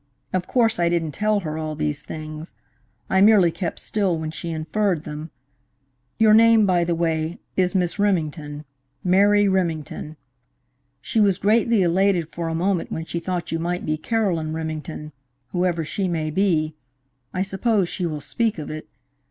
Of course I didn't tell her all these things. I merely kept still when she inferred them. Your name, by the way, is Miss Remington Mary Remington. She was greatly elated for a moment when she thought you might be Carolyn Remington whoever she may be. I suppose she will speak of it.